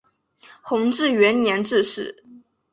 弘治元年致仕。